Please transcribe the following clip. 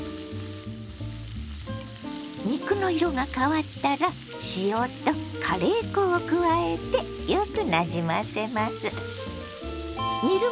肉の色が変わったら塩とカレー粉を加えてよくなじませます。